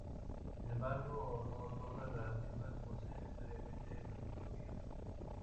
Sin embargo, no todas las lenguas poseen necesariamente esas categorías.